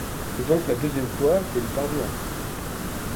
C'est donc la deuxième fois qu'elle y parvient.